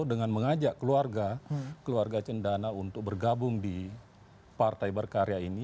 dengan mengajak keluarga keluarga cendana untuk bergabung di partai berkarya ini